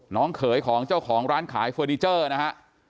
เขยของเจ้าของร้านขายเฟอร์นิเจอร์นะฮะ